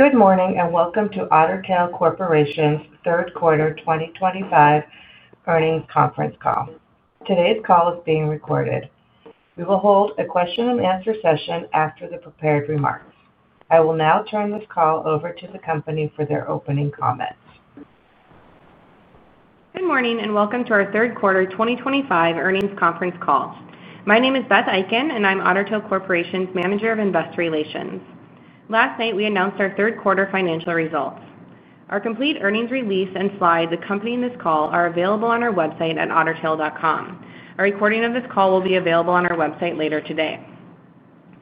Good morning and welcome to Otter Tail Corporation's third quarter 2025 earnings conference call. Today's call is being recorded. We will hold a question-and-answer session after the prepared remarks. I will now turn this call over to the company for their opening comments. Good morning and welcome to our third quarter 2025 earnings conference call. My name is Beth Eiken, and I'm Otter Tail Corporation's Manager of Investor Relations. Last night, we announced our third quarter financial results. Our complete earnings release and slides accompanying this call are available on our website at ottertail.com. A recording of this call will be available on our website later today.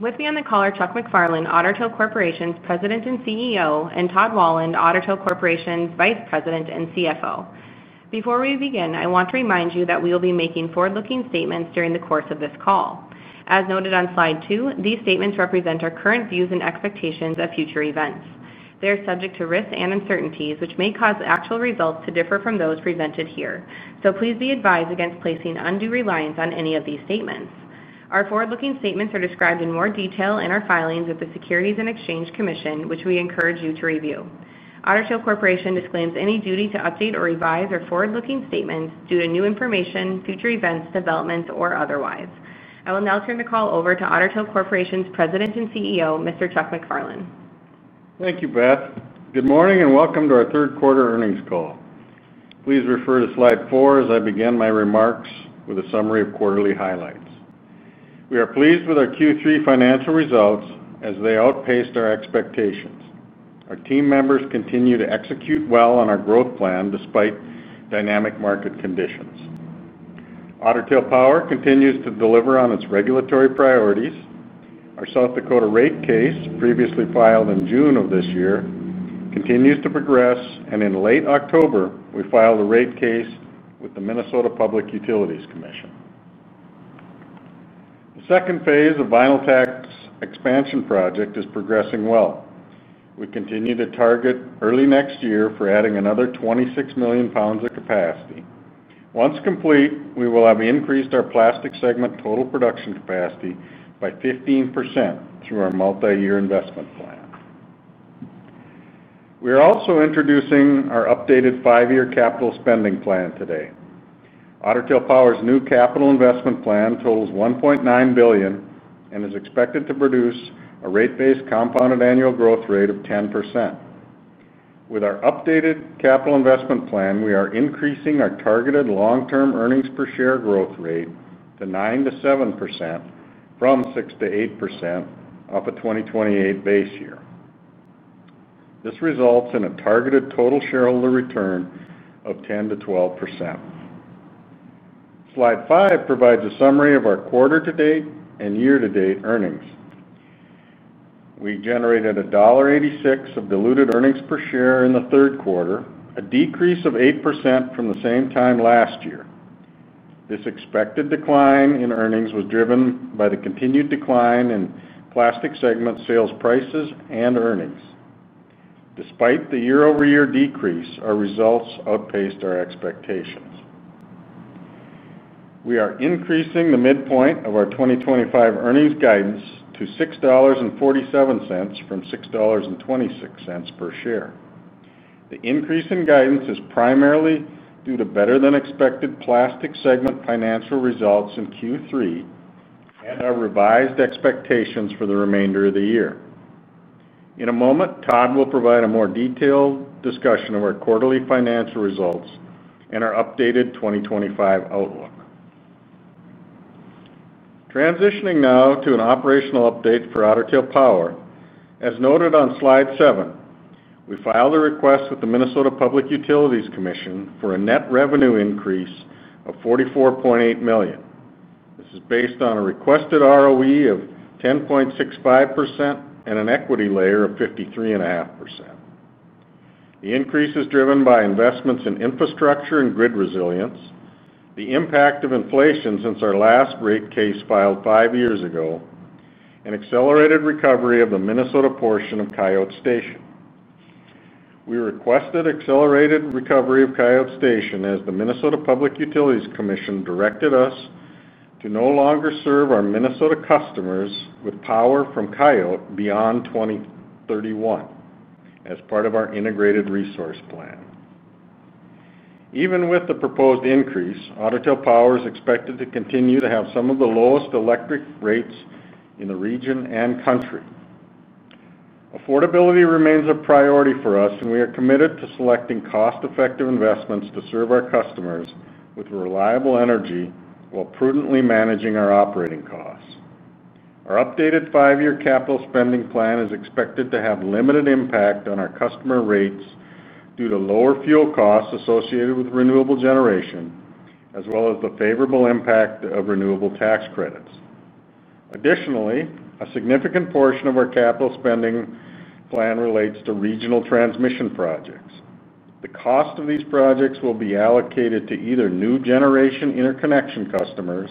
With me on the call are Chuck MacFarlane, Otter Tail Corporation's President and CEO, and Todd Wahlund, Otter Tail Corporation's Vice President and CFO. Before we begin, I want to remind you that we will be making forward-looking statements during the course of this call. As noted on slide two, these statements represent our current views and expectations of future events. They are subject to risks and uncertainties, which may cause actual results to differ from those presented here. So please be advised against placing undue reliance on any of these statements. Our forward-looking statements are described in more detail in our filings with the Securities and Exchange Commission, which we encourage you to review. Otter Tail Corporation disclaims any duty to update or revise our forward-looking statements due to new information, future events, developments, or otherwise. I will now turn the call over to Otter Tail Corporation's President and CEO, Mr. Chuck MacFarlane. Thank you, Beth. Good morning and welcome to our third quarter earnings call. Please refer to slide four as I begin my remarks with a summary of quarterly highlights. We are pleased with our Q3 financial results as they outpaced our expectations. Our team members continue to execute well on our growth plan despite dynamic market conditions. Otter Tail Power continues to deliver on its regulatory priorities. Our South Dakota rate case, previously filed in June of this year, continues to progress, and in late October, we filed a rate case with the Minnesota Public Utilities Commission. The second phase of VinylTech Expansion Project is progressing well. We continue to target early next year for adding another $26 million of capacity. Once complete, we will have increased our plastics segment total production capacity by 15% through our multi-year investment plan. We are also introducing our updated five-year capital spending plan today. Otter Tail Power's new capital investment plan totals $1.9 billion and is expected to produce a rate base compounded annual growth rate of 10%. With our updated capital investment plan, we are increasing our targeted long-term earnings per share growth rate to 7%-9% from 6%-8% off a 2028 base year. This results in a targeted total shareholder return of 10%-12%. Slide five provides a summary of our quarter-to-date and year-to-date earnings. We generated $1.86 of diluted earnings per share in the third quarter, a decrease of 8% from the same time last year. This expected decline in earnings was driven by the continued decline in plastics segment sales prices and earnings. Despite the year-over-year decrease, our results outpaced our expectations. We are increasing the midpoint of our 2025 earnings guidance to $6.47 from $6.26 per share. The increase in guidance is primarily due to better-than-expected plastics segment financial results in Q3 and our revised expectations for the remainder of the year. In a moment, Todd will provide a more detailed discussion of our quarterly financial results and our updated 2025 outlook. Transitioning now to an operational update for Otter Tail Power. As noted on slide seven, we filed a request with the Minnesota Public Utilities Commission for a net revenue increase of $44.8 million. This is based on a requested ROE of 10.65% and an equity layer of 53.5%. The increase is driven by investments in infrastructure and grid resilience, the impact of inflation since our last rate case filed five years ago, and accelerated recovery of the Minnesota portion of Coyote Station. We requested accelerated recovery of Coyote Station as the Minnesota Public Utilities Commission directed us to no longer serve our Minnesota customers with power from Coyote beyond 2031 as part of our integrated resource plan. Even with the proposed increase, Otter Tail Power is expected to continue to have some of the lowest electric rates in the region and country. Affordability remains a priority for us, and we are committed to selecting cost-effective investments to serve our customers with reliable energy while prudently managing our operating costs. Our updated five-year capital spending plan is expected to have limited impact on our customer rates due to lower fuel costs associated with renewable generation, as well as the favorable impact of renewable tax credits. Additionally, a significant portion of our capital spending plan relates to regional transmission projects. The cost of these projects will be allocated to either new generation interconnection customers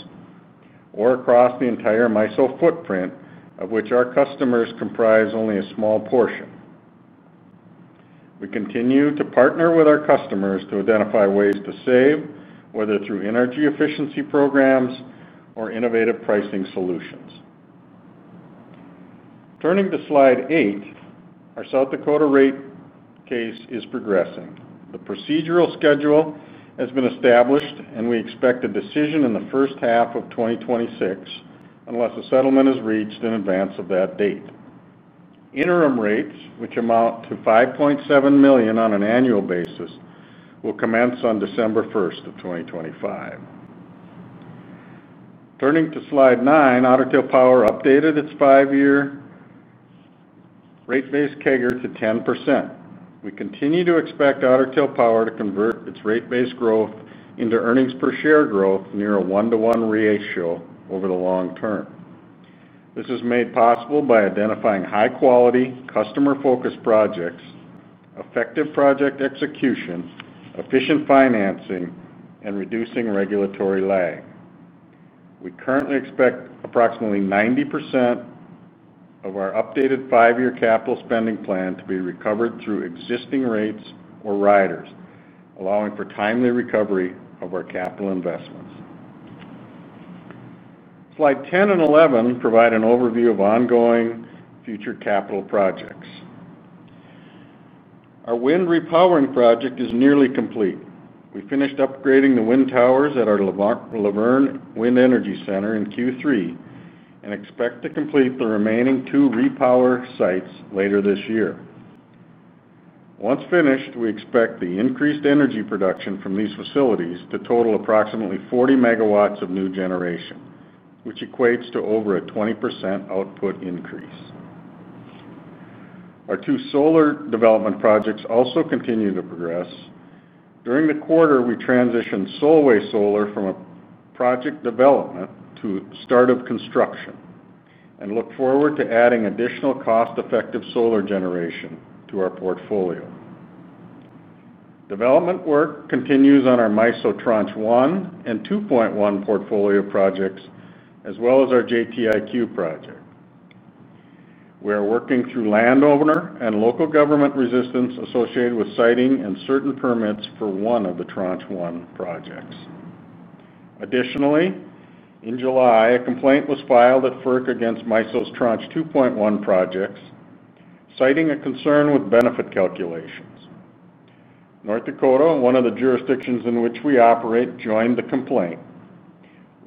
or across the entire MISO footprint, of which our customers comprise only a small portion. We continue to partner with our customers to identify ways to save, whether through energy efficiency programs or innovative pricing solutions. Turning to slide eight, our South Dakota rate case is progressing. The procedural schedule has been established, and we expect a decision in the first half of 2026 unless a settlement is reached in advance of that date. Interim rates, which amount to $5.7 million on an annual basis, will commence on December 1st of 2025. Turning to slide nine, Otter Tail Power updated its five-year rate-based CAGR to 10%. We continue to expect Otter Tail Power to convert its rate-based growth into earnings per share growth near a one-to-one ratio over the long term. This is made possible by identifying high-quality, customer-focused projects, effective project execution, efficient financing, and reducing regulatory lag. We currently expect approximately 90% of our updated five-year capital spending plan to be recovered through existing rates or riders, allowing for timely recovery of our capital investments. Slide 10 and 11 provide an overview of ongoing future capital projects. Our wind repowering project is nearly complete. We finished upgrading the wind towers at our Laverne Wind Energy Center in Q3 and expect to complete the remaining two repower sites later this year. Once finished, we expect the increased energy production from these facilities to total approximately 40 megawatts of new generation, which equates to over a 20% output increase. Our two solar development projects also continue to progress. During the quarter, we transitioned Solway Solar from a project development to start-up construction and look forward to adding additional cost-effective solar generation to our portfolio. Development work continues on our MISO Tranche One and 2.1 portfolio projects, as well as our JTIQ project. We are working through landowner and local government resistance associated with siting and certain permits for one of the Tranche One projects. Additionally, in July, a complaint was filed at FERC against MISO's Tranche 2.1 projects, citing a concern with benefit calculations. North Dakota, one of the jurisdictions in which we operate, joined the complaint.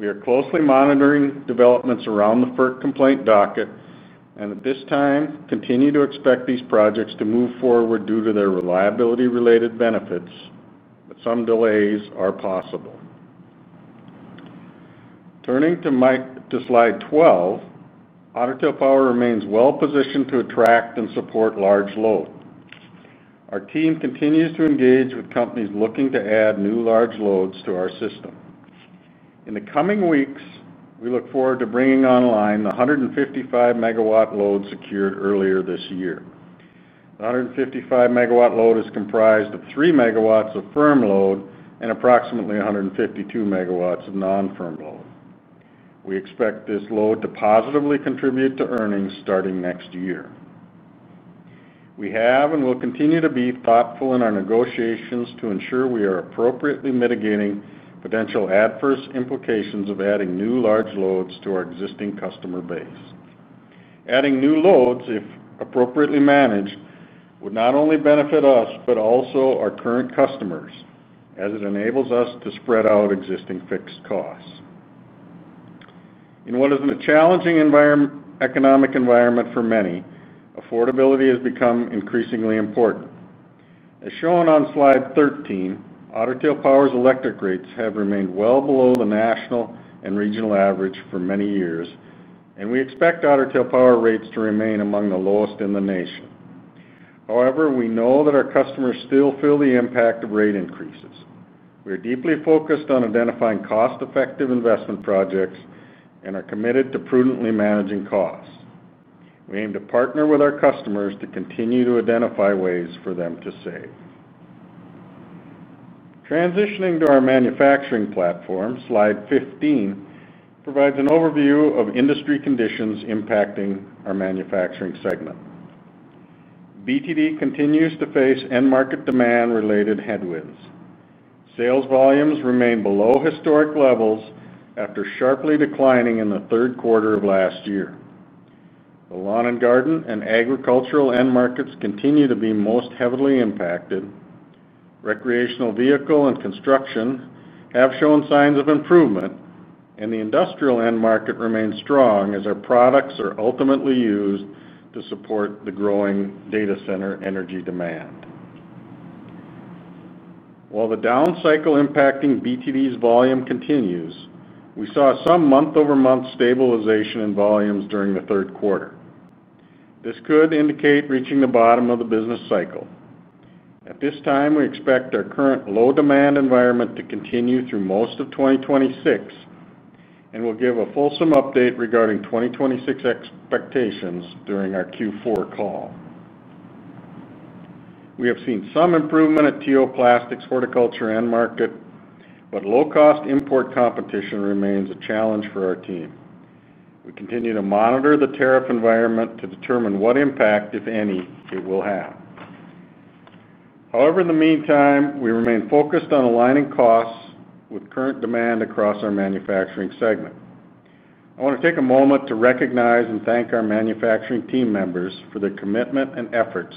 We are closely monitoring developments around the FERC complaint docket and, at this time, continue to expect these projects to move forward due to their reliability-related benefits, but some delays are possible. Turning to slide 12. Otter Tail Power remains well-positioned to attract and support large load. Our team continues to engage with companies looking to add new large loads to our system. In the coming weeks, we look forward to bringing online the 155-megawatt load secured earlier this year. The 155 MW load is comprised of 3 MW of firm load and approximately 152 MW of non-firm load. We expect this load to positively contribute to earnings starting next year. We have and will continue to be thoughtful in our negotiations to ensure we are appropriately mitigating potential adverse implications of adding new large loads to our existing customer base. Adding new loads, if appropriately managed, would not only benefit us but also our current customers, as it enables us to spread out existing fixed costs. In what is a challenging economic environment for many, affordability has become increasingly important. As shown on slide 13, Otter Tail Power's electric rates have remained well below the national and regional average for many years, and we expect Otter Tail Power rates to remain among the lowest in the nation. However, we know that our customers still feel the impact of rate increases. We are deeply focused on identifying cost-effective investment projects and are committed to prudently managing costs. We aim to partner with our customers to continue to identify ways for them to save. Transitioning to our manufacturing platform, slide 15 provides an overview of industry conditions impacting our manufacturing segment. BTD continues to face end-market demand-related headwinds. Sales volumes remain below historic levels after sharply declining in the third quarter of last year. The lawn and garden and agricultural end markets continue to be most heavily impacted. Recreational vehicle and construction have shown signs of improvement, and the industrial end market remains strong as our products are ultimately used to support the growing data center energy demand. While the down cycle impacting BTD's volume continues, we saw some month-over-month stabilization in volumes during the third quarter. This could indicate reaching the bottom of the business cycle. At this time, we expect our current low-demand environment to continue through most of 2026. And we'll give a fulsome update regarding 2026 expectations during our Q4 call. We have seen some improvement at T.O. Plastics' horticulture end market, but low-cost import competition remains a challenge for our team. We continue to monitor the tariff environment to determine what impact, if any, it will have. However, in the meantime, we remain focused on aligning costs with current demand across our manufacturing segment. I want to take a moment to recognize and thank our manufacturing team members for their commitment and efforts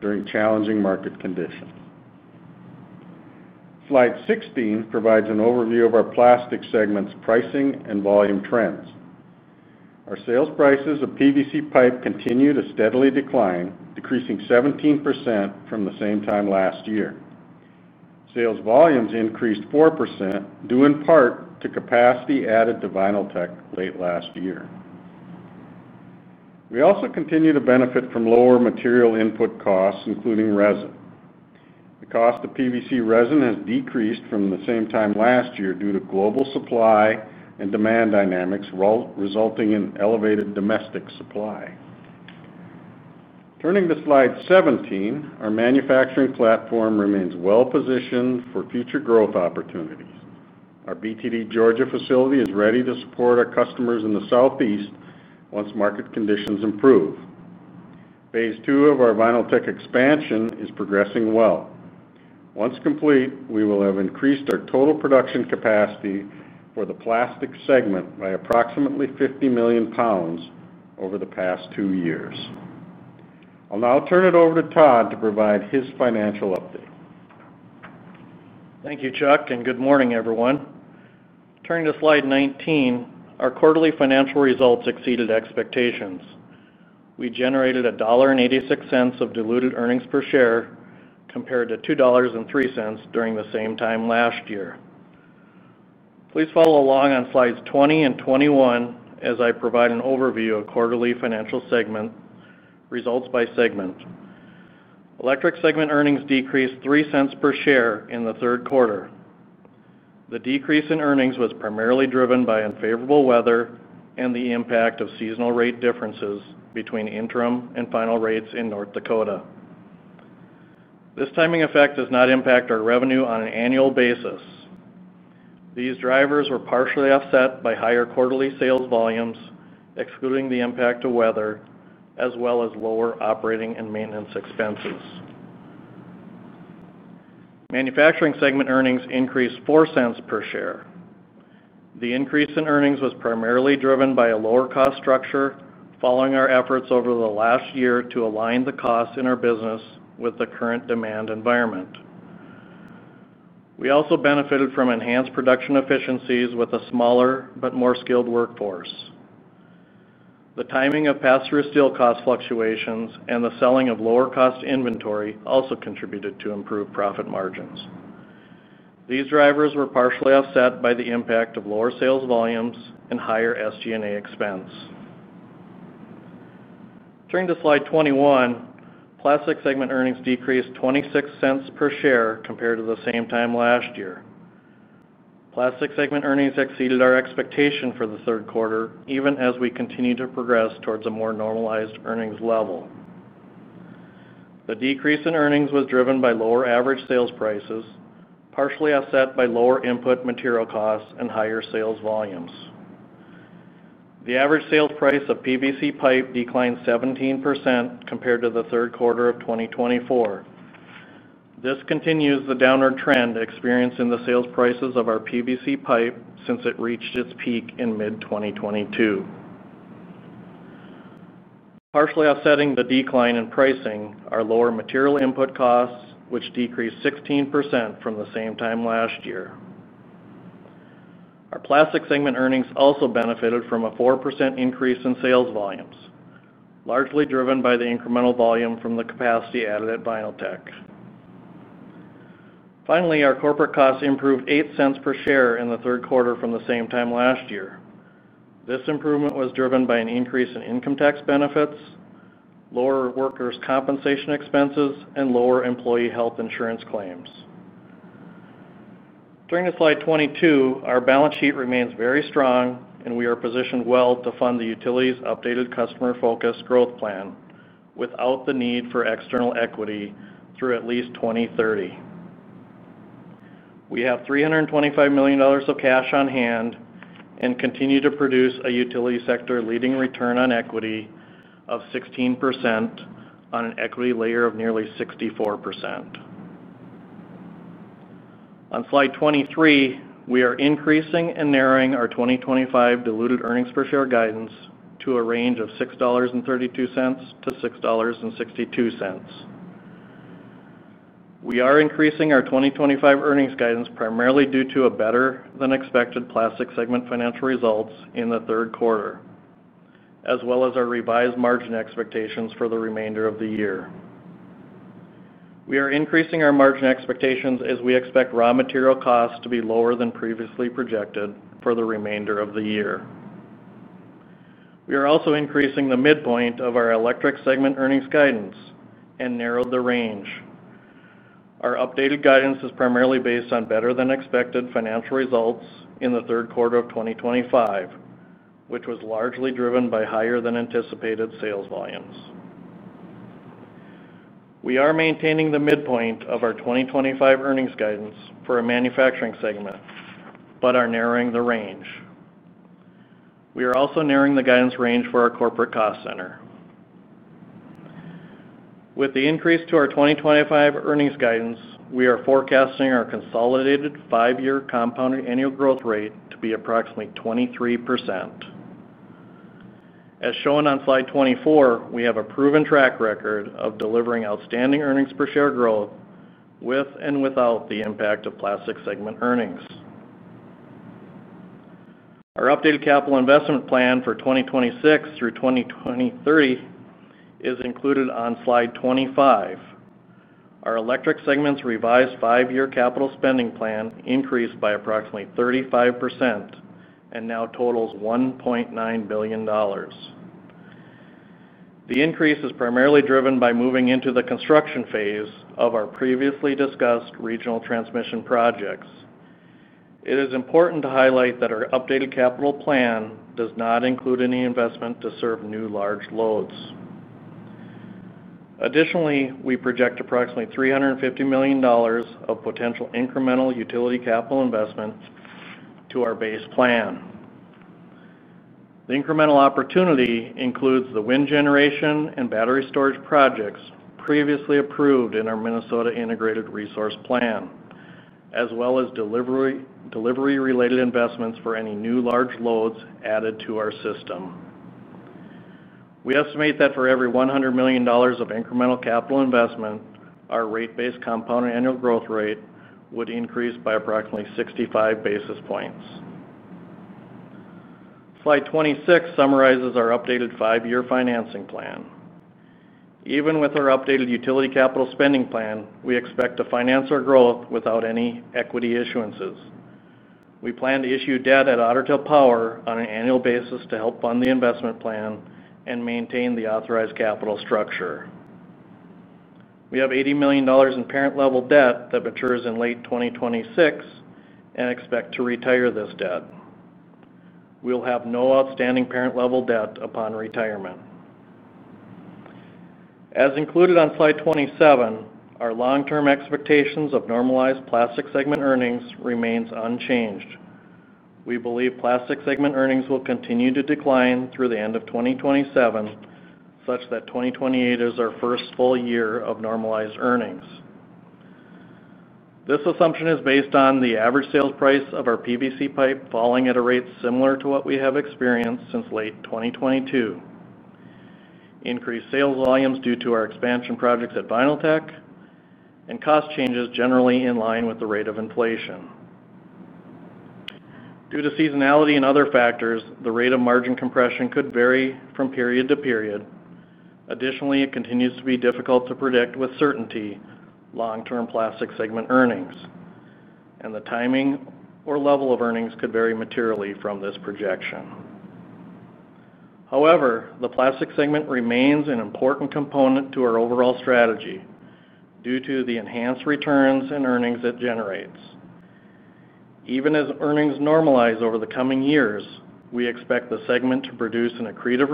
during challenging market conditions. Slide 16 provides an overview of our plastic segment's pricing and volume trends. Our sales prices of PVC pipe continue to steadily decline, decreasing 17% from the same time last year. Sales volumes increased 4%, due in part to capacity added to VinylTech late last year. We also continue to benefit from lower material input costs, including resin. The cost of PVC resin has decreased from the same time last year due to global supply and demand dynamics, resulting in elevated domestic supply. Turning to slide 17, our manufacturing platform remains well-positioned for future growth opportunities. Our BTD Georgia facility is ready to support our customers in the Southeast once market conditions improve. Phase two of our VinylTech expansion is progressing well. Once complete, we will have increased our total production capacity for the plastic segment by approximately 50 million pounds over the past two years. I'll now turn it over to Todd to provide his financial update. Thank you, Chuck, and good morning, everyone. Turning to slide 19, our quarterly financial results exceeded expectations. We generated $1.86 of diluted earnings per share compared to $2.03 during the same time last year. Please follow along on slides 20 and 21 as I provide an overview of quarterly financial segment results by segment. Electric segment earnings decreased $0.03 per share in the third quarter. The decrease in earnings was primarily driven by unfavorable weather and the impact of seasonal rate differences between interim and final rates in North Dakota. This timing effect does not impact our revenue on an annual basis. These drivers were partially offset by higher quarterly sales volumes, excluding the impact of weather, as well as lower operating and maintenance expenses. Manufacturing segment earnings increased $0.04 per share. The increase in earnings was primarily driven by a lower cost structure following our efforts over the last year to align the costs in our business with the current demand environment. We also benefited from enhanced production efficiencies with a smaller but more skilled workforce. The timing of structural steel cost fluctuations and the selling of lower-cost inventory also contributed to improved profit margins. These drivers were partially offset by the impact of lower sales volumes and higher SG&A expense. Turning to slide 21. Plastic segment earnings decreased $0.26 per share compared to the same time last year. Plastic segment earnings exceeded our expectation for the third quarter, even as we continue to progress towards a more normalized earnings level. The decrease in earnings was driven by lower average sales prices, partially offset by lower input material costs and higher sales volumes. The average sales price of PVC pipe declined 17% compared to the third quarter of 2024. This continues the downward trend experienced in the sales prices of our PVC pipe since it reached its peak in mid-2022. Partially offsetting the decline in pricing are lower material input costs, which decreased 16% from the same time last year. Our plastic segment earnings also benefited from a 4% increase in sales volumes, largely driven by the incremental volume from the capacity added at VinylTech. Finally, our corporate costs improved $0.08 per share in the third quarter from the same time last year. This improvement was driven by an increase in income tax benefits, lower workers' compensation expenses, and lower employee health insurance claims. Turning to slide 22, our balance sheet remains very strong, and we are positioned well to fund the utilities' updated customer-focused growth plan without the need for external equity through at least 2030. We have $325 million of cash on hand and continue to produce a utility sector leading return on equity of 16% on an equity layer of nearly 64%. On slide 23, we are increasing and narrowing our 2025 diluted earnings per share guidance to a range of $6.32-$6.62. We are increasing our 2025 earnings guidance primarily due to a better-than-expected plastic segment financial results in the third quarter. As well as our revised margin expectations for the remainder of the year. We are increasing our margin expectations as we expect raw material costs to be lower than previously projected for the remainder of the year. We are also increasing the midpoint of our electric segment earnings guidance and narrowed the range. Our updated guidance is primarily based on better-than-expected financial results in the third quarter of 2025, which was largely driven by higher-than-anticipated sales volumes. We are maintaining the midpoint of our 2025 earnings guidance for a manufacturing segment, but are narrowing the range. We are also narrowing the guidance range for our corporate cost center. With the increase to our 2025 earnings guidance, we are forecasting our consolidated five-year compounded annual growth rate to be approximately 23%. As shown on slide 24, we have a proven track record of delivering outstanding earnings per share growth with and without the impact of plastic segment earnings. Our updated capital investment plan for 2026 through 2030 is included on slide 25. Our electric segment's revised five-year capital spending plan increased by approximately 35% and now totals $1.9 billion. The increase is primarily driven by moving into the construction phase of our previously discussed regional transmission projects. It is important to highlight that our updated capital plan does not include any investment to serve new large loads. Additionally, we project approximately $350 million of potential incremental utility capital investments to our base plan. The incremental opportunity includes the wind generation and battery storage projects previously approved in our Minnesota Integrated Resource Plan. As well as delivery-related investments for any new large loads added to our system. We estimate that for every $100 million of incremental capital investment, our rate-based compounded annual growth rate would increase by approximately 65 basis points. Slide 26 summarizes our updated five-year financing plan. Even with our updated utility capital spending plan, we expect to finance our growth without any equity issuances. We plan to issue debt at Otter Tail Power on an annual basis to help fund the investment plan and maintain the authorized capital structure. We have $80 million in parent-level debt that matures in late 2026 and expect to retire this debt. We will have no outstanding parent-level debt upon retirement. As included on slide 27, our long-term expectations of normalized plastic segment earnings remain unchanged. We believe plastic segment earnings will continue to decline through the end of 2027 such that 2028 is our first full year of normalized earnings. This assumption is based on the average sales price of our PVC pipe falling at a rate similar to what we have experienced since late 2022, increased sales volumes due to our expansion projects at VinylTech, and cost changes generally in line with the rate of inflation. Due to seasonality and other factors, the rate of margin compression could vary from period to period. Additionally, it continues to be difficult to predict with certainty long-term plastic segment earnings, and the timing or level of earnings could vary materially from this projection. However, the plastic segment remains an important component to our overall strategy due to the enhanced returns and earnings it generates. Even as earnings normalize over the coming years, we expect the segment to produce an accretive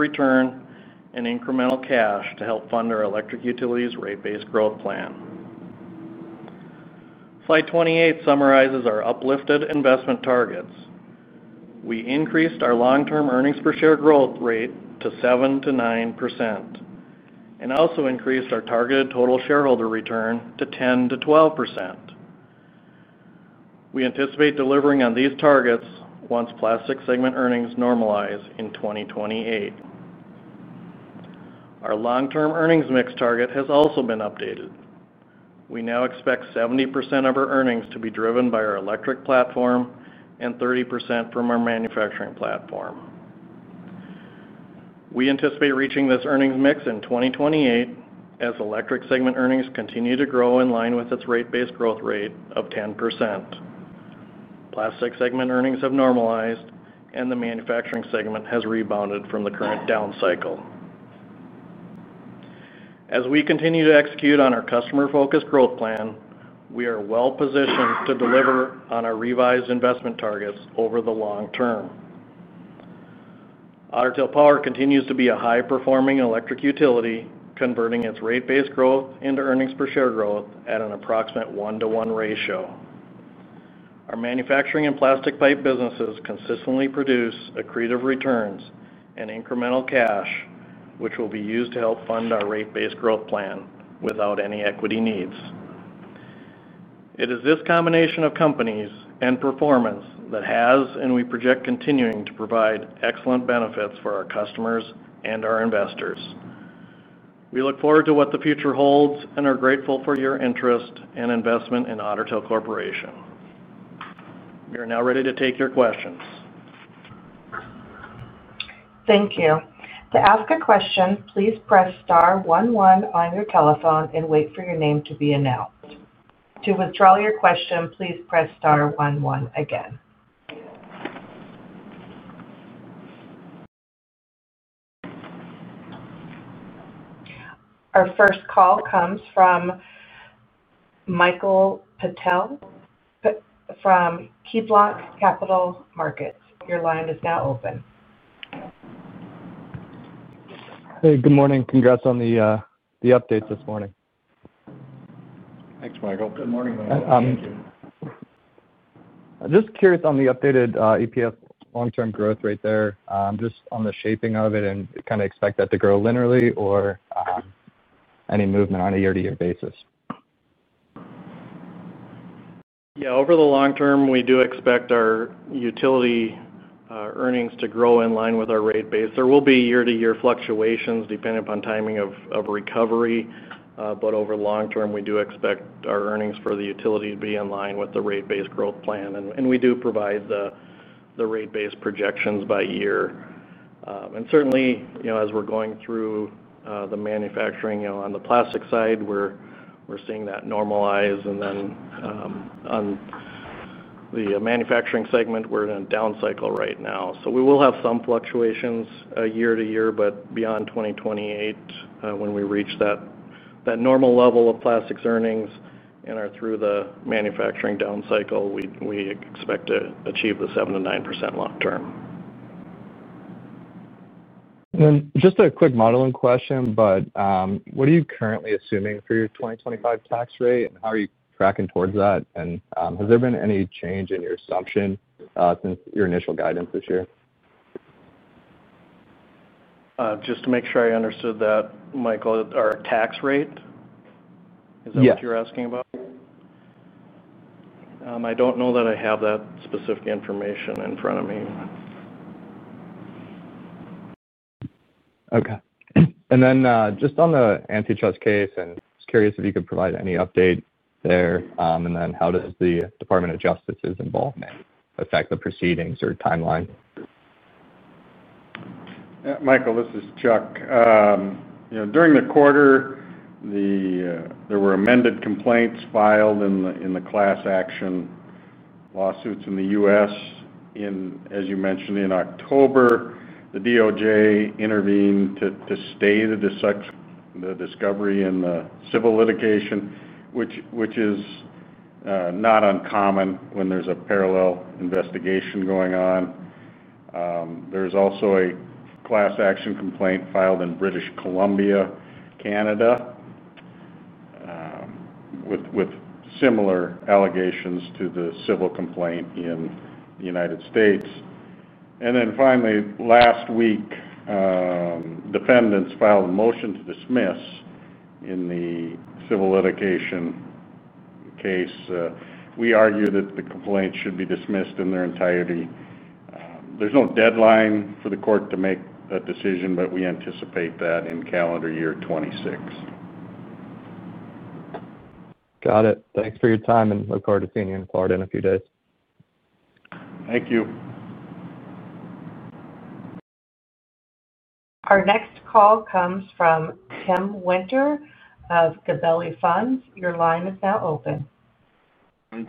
return and incremental cash to help fund our electric utilities' rate-based growth plan. Slide 28 summarizes our uplifted investment targets. We increased our long-term earnings per share growth rate to 7%-9% and also increased our targeted total shareholder return to 10%-12%. We anticipate delivering on these targets once plastic segment earnings normalize in 2028. Our long-term earnings mix target has also been updated. We now expect 70% of our earnings to be driven by our electric platform and 30% from our manufacturing platform. We anticipate reaching this earnings mix in 2028 as electric segment earnings continue to grow in line with its rate-based growth rate of 10%. Plastic segment earnings have normalized, and the manufacturing segment has rebounded from the current down cycle. As we continue to execute on our customer-focused growth plan, we are well-positioned to deliver on our revised investment targets over the long term. Otter Tail Power continues to be a high-performing electric utility, converting its rate-based growth into earnings per share growth at an approximate one-to-one ratio. Our manufacturing and plastic pipe businesses consistently produce accretive returns and incremental cash, which will be used to help fund our rate-based growth plan without any equity needs. It is this combination of companies and performance that has, and we project, continuing to provide excellent benefits for our customers and our investors. We look forward to what the future holds and are grateful for your interest and investment in Otter Tail Corporation. We are now ready to take your questions. Thank you. To ask a question, please press star one one on your telephone and wait for your name to be announced. To withdraw your question, please press star one one again. Our first call comes from Michael Patel from KeyBanc Capital Markets. Your line is now open. Hey, good morning. Congrats on the updates this morning. Thanks, Michael. Good morning, Michael. Just curious on the updated EPS long-term growth rate there. Just on the shaping of it, and kind of expect that to grow linearly or any movement on a year-to-year basis? Yeah, over the long term, we do expect our utility earnings to grow in line with our rate base. There will be year-to-year fluctuations depending upon timing of recovery. But over the long term, we do expect our earnings for the utility to be in line with the rate base growth plan. And we do provide the rate base projections by year. And certainly, as we're going through the manufacturing on the plastic side, we're seeing that normalize. And then on the manufacturing segment, we're in a down cycle right now. So we will have some fluctuations year-to-year, but beyond 2028, when we reach that normal level of plastics earnings and are through the manufacturing down cycle, we expect to achieve the 7%-9% long-term. Then just a quick modeling question, but what are you currently assuming for your 2025 tax rate, and how are you tracking towards that? And has there been any change in your assumption since your initial guidance this year? Just to make sure I understood that, Michael, our tax rate. Is that what you're asking about? Yeah. I don't know that I have that specific information in front of me. Okay. And then just on the antitrust case, and just curious if you could provide any update there. And then how does the Department of Justice's involvement affect the proceedings or timeline? Michael, this is Chuck. During the quarter, there were amended complaints filed in the class action lawsuits in the U.S. As you mentioned, in October, the DOJ intervened to stay the discovery in the civil litigation, which is not uncommon when there's a parallel investigation going on. There's also a class action complaint filed in British Columbia, Canada, with similar allegations to the civil complaint in the United States. And then finally, last week, defendants filed a motion to dismiss in the civil litigation case. We argue that the complaints should be dismissed in their entirety. There's no deadline for the court to make a decision, but we anticipate that in calendar year 2026. Got it. Thanks for your time, and look forward to seeing you in Florida in a few days. Thank you. Our next call comes from Tim Winter of Gabelli Funds. Your line is now open.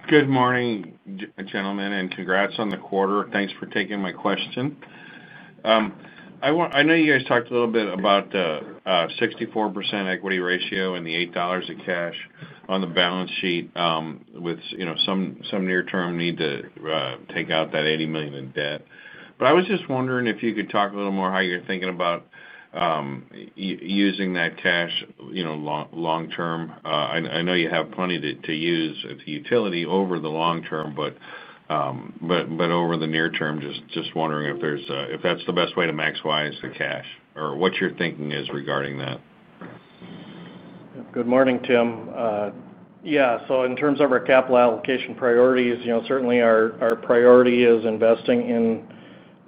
Good morning, gentlemen, and congrats on the quarter. Thanks for taking my question. I know you guys talked a little bit about the 64% equity ratio and the $80 million of cash on the balance sheet with some near-term need to take out that $80 million in debt. But I was just wondering if you could talk a little more how you're thinking about using that cash long term. I know you have plenty to use as utility over the long term, but. Over the near term, just wondering if that's the best way to maximize the cash or what your thinking is regarding that. Good morning, Tim. Yeah, so in terms of our capital allocation priorities, certainly our priority is investing in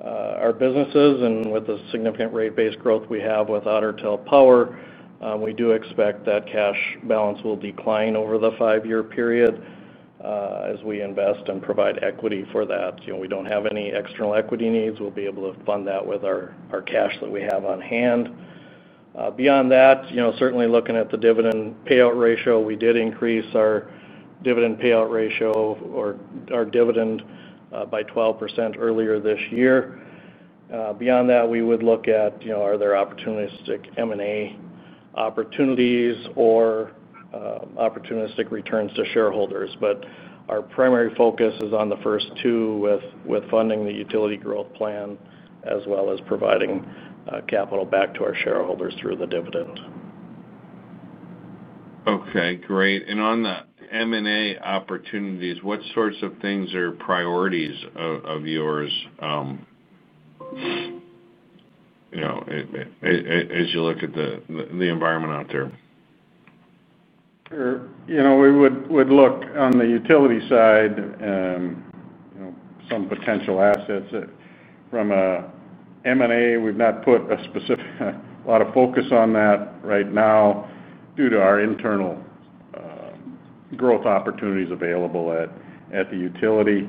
our businesses. And with the significant rate-based growth we have with Otter Tail Power, we do expect that cash balance will decline over the five-year period. As we invest and provide equity for that. We don't have any external equity needs. We'll be able to fund that with our cash that we have on hand. Beyond that, certainly looking at the dividend payout ratio, we did increase our dividend payout ratio or our dividend by 12% earlier this year. Beyond that, we would look at are there opportunistic M&A opportunities or opportunistic returns to shareholders. But our primary focus is on the first two with funding the utility growth plan as well as providing capital back to our shareholders through the dividend. Okay, great. And on the M&A opportunities, what sorts of things are priorities of yours as you look at the environment out there? We would look on the utility side some potential assets from M&A. We've not put a lot of focus on that right now due to our internal growth opportunities available at the utility.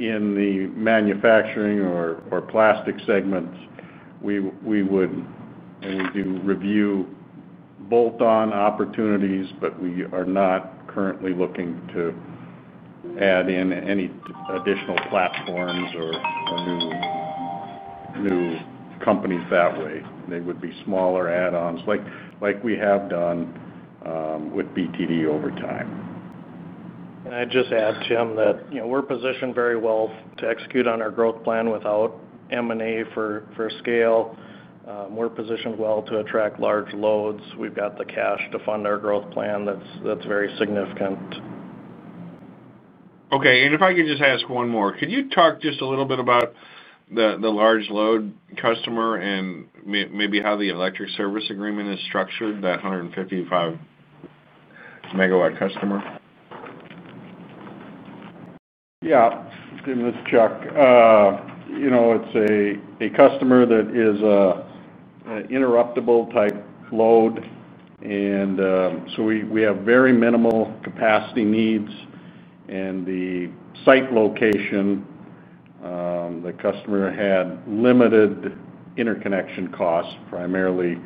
In the manufacturing or plastic segments, we would review bolt-on opportunities, but we are not currently looking to add in any additional platforms or new companies that way. They would be smaller add-ons like we have done with BTD over time. I'd just add, Tim, that we're positioned very well to execute on our growth plan without M&A for scale. We're positioned well to attract large loads. We've got the cash to fund our growth plan. That's very significant. Okay. And if I could just ask one more, could you talk just a little bit about the large load customer and maybe how the electric service agreement is structured, that 155 MW customer? Yeah. This is Chuck. It's a customer that is an interruptible type load. And so we have very minimal capacity needs. And the site location the customer had limited interconnection costs, primarily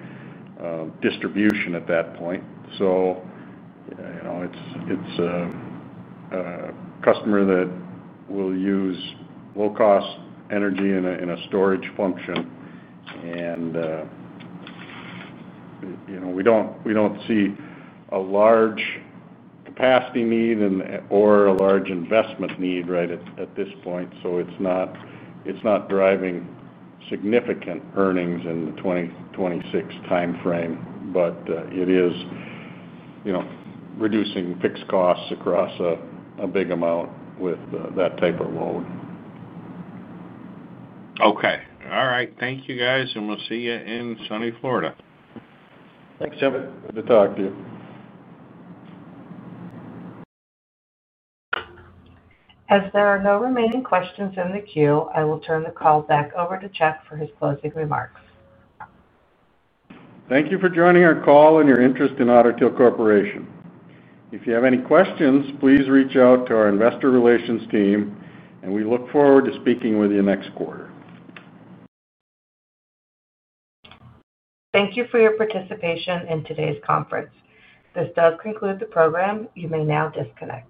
distribution at that point. So it's a customer that will use low-cost energy in a storage function. And we don't see a large capacity need or a large investment need right at this point. So it's not driving significant earnings in the 2026 timeframe, but it is reducing fixed costs across a big amount with that type of load. Okay. All right. Thank you, guys. And we'll see you in sunny Florida. Thanks, Tim. Good to talk to you. As there are no remaining questions in the queue, I will turn the call back over to Chuck for his closing remarks. Thank you for joining our call and your interest in Otter Tail Corporation. If you have any questions, please reach out to our investor relations team, and we look forward to speaking with you next quarter. Thank you for your participation in today's conference. This does conclude the program. You may now disconnect.